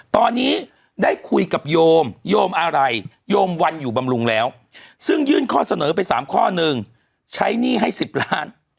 ตอนนี้ได้คุยกับโยมโยมอะไรโยมวันอยู่บำรุงแล้วซึ่งยื่นข้อเสนอไป๓ข้อหนึ่งใช้หนี้ให้๑๐ล้าน